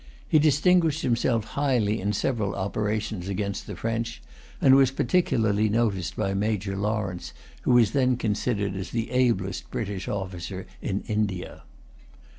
He distinguished himself highly in several operations against the French, and was particularly noticed by Major Lawrence, who was then considered as the ablest British officer in India.